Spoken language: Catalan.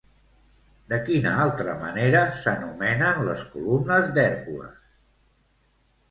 De quina altra manera s'anomenen les columnes d'Hèrcules?